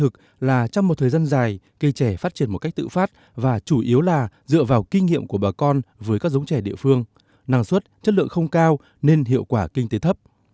cây trè phát triển một cách tự phát và chủ yếu là dựa vào kinh nghiệm của bà con với các giống trè địa phương năng suất chất lượng không cao nên hiệu quả kinh tế thấp